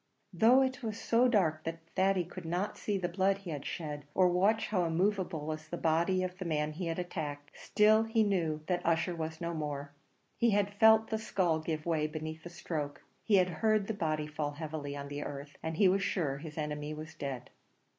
Though it was so dark that Thady could not see the blood he had shed, or watch how immovable was the body of the man he had attacked, still he knew that Ussher was no more. He had felt the skull give way beneath the stroke; he had heard the body fall heavily on the earth, and he was sure his enemy was dead.